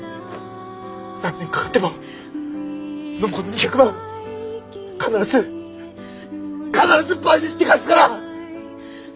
何年かかっても暢子の２００万必ず必ず倍にして返すから！